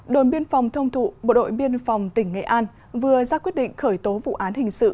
đồn biên phòng thông thụ bộ đội biên phòng tỉnh nghệ an vừa ra quyết định khởi tố vụ án hình sự